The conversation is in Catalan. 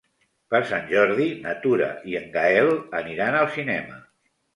Per Sant Jordi na Tura i en Gaël aniran al cinema.